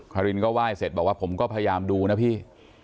กล้าวุรินศ์เขาก็ไหว้เสร็จบอกว่าผมก็พยายามดูนะพี่